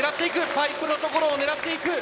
パイプの所を狙っていく。